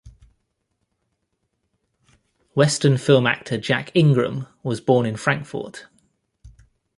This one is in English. Western film actor Jack Ingram was born in Frankfort.